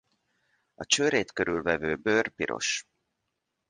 A csőrét körül vevő bőr piros.